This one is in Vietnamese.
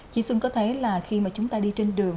chị xuân có thấy là khi mà chúng ta đi trên đường